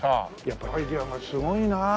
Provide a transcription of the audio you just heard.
やっぱりアイデアがすごいなあ。